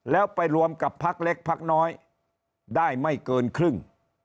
แล้วไปรวมกับพักเล็กพักน้อยได้ไม่เกินครึ่ง